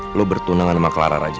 lo bertunangan sama clara raja